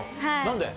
何で？